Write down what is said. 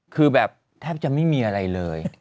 คือแบบแทบจะไม่มีอะไรเลย